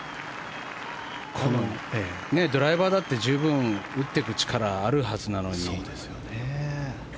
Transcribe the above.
ドライバーだって十分打っていく力あるはずなのに。